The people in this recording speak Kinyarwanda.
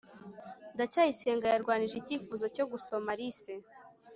ndacyayisenga yarwanyije icyifuzo cyo gusoma alice